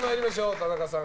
田中さん